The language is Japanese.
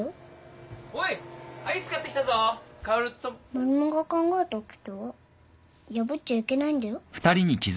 マルモが考えたおきては破っちゃいけないんだよ。